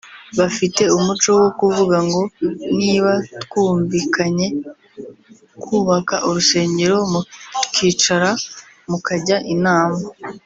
Bafite umuco wo kuvuga ngo niba twumvikanye kubaka urusengero mukicara mukajya inama